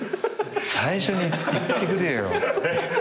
最初に言ってくれよ。